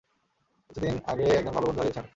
কিছুদিন আগে একজন ভালো বন্ধু হারিয়েছি আমি।